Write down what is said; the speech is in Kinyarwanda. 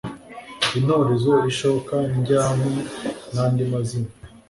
intorezo ishoka ndyankwi nandi mazina